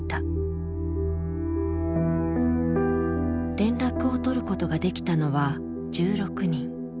連絡を取ることができたのは１６人。